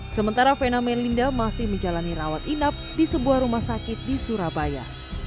sementara vena melinda masih menjalani rawat inap di sebuah rumah sakit di surabaya